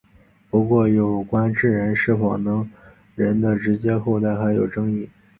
不过有关智人是否能人的直接后代还有争议。